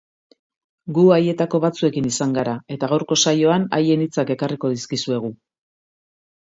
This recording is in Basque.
Gu haietako batzuekin izan gara, eta gaurko saioan haien hitzak ekarriko dizkizuegu.